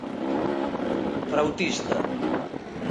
Frautista.